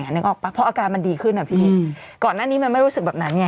นึกออกป่ะเพราะอาการมันดีขึ้นอ่ะพี่ก่อนหน้านี้มันไม่รู้สึกแบบนั้นไง